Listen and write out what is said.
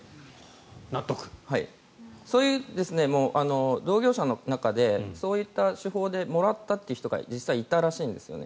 そういう同業者の中でそういった手法でもらったという人が実際にいたらしいんです。